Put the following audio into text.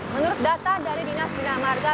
menurut data dari dinas bina marga